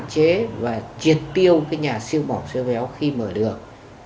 tạm chế và triệt tiêu cái nhà siêu mỏng siêu béo khi mở đường